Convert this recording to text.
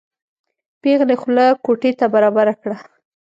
پېغلې خوله کوټې ته برابره کړه.